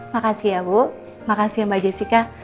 makasih ya bu makasih mbak jessica